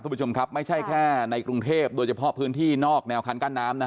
คุณผู้ชมครับไม่ใช่แค่ในกรุงเทพโดยเฉพาะพื้นที่นอกแนวคันกั้นน้ำนะฮะ